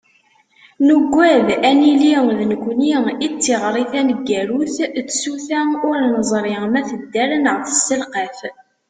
Nugad ad yili d nekkni i d tiɣri taneggarut n tsuta ur neẓri ma tedder neɣ tesselqaf.